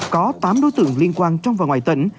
có tám đối tượng liên quan trong và ngoài tỉnh